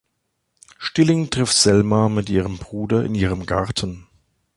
Stilling trifft Selma mit ihrem Bruder in ihrem Garten.